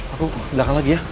aku belakang lagi ya